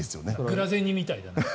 グラゼニみたいなね。